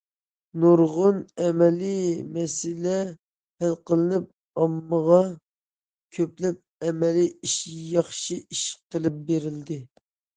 نۇرغۇن ئەمەلىي مەسىلە ھەل قىلىنىپ، ئاممىغا كۆپلەپ ئەمەلىي ئىش، ياخشى ئىش قىلىپ بېرىلدى.